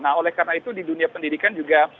nah oleh karena itu di dunia pendidikan juga